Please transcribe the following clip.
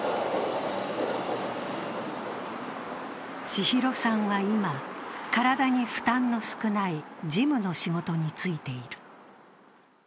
千尋さんは今、体に負担の少ない事務の仕事に就いている。